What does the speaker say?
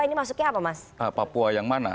ini masuknya apa mas